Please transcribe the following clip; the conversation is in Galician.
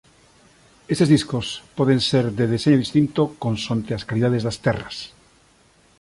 Estes discos poden ser de deseño distinto consonte as calidades das terras.